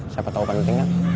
siapa tau pentingnya